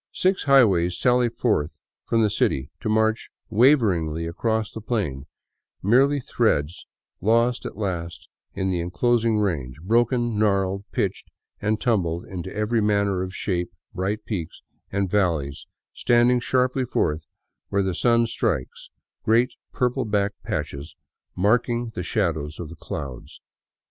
Six highways sally forth from the city, to march waveringly across the plain, mere threads lost at last in the enclosing range, broken, gnarled, pitched and tumbled into every manner of shape, bright peaks and valleys standing sharply forth where the sun strikes, great purple black patches marking the shadows of the clouds.